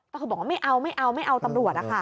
แต่เขาบอกว่าไม่เอาไม่เอาไม่เอาตำรวจค่ะ